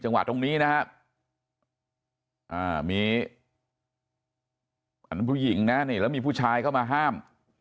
จังหวัดตรงนี้นะฮะมีผู้หญิงนะเนี่ยแล้วมีผู้ชายเข้ามาห้าม